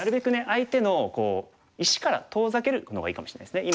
相手の石から遠ざけるのがいいかもしれないですね。